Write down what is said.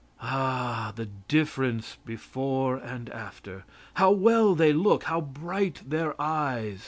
Ah! the difference before and after! How well they look! How bright their eyes!